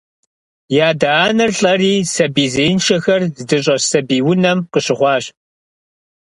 И адэ-анэр лӏэри сабий зеиншэхэр здыщӏэс «сабий унэм» къыщыхъуащ.